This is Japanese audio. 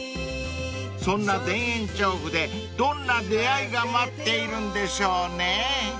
［そんな田園調布でどんな出会いが待っているんでしょうね］